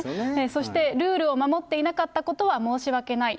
そして、ルールを守っていなかったことは申し訳ない。